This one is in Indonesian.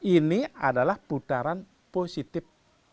ini adalah putaran positif